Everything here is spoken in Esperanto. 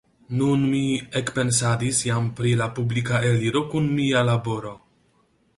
Nun mi ekpensadis jam pri la publika eliro kun mia laboro.